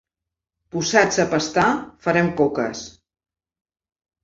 Posats a pastar farem coques.